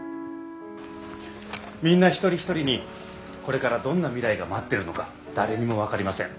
みんな一人一人にこれからどんな未来が待ってるのか誰にも分かりません。